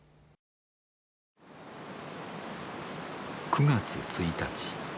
９月１日。